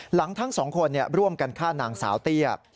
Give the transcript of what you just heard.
หลังทั้ง๒คนร่วมกันฆ่านางสาวเตี้ย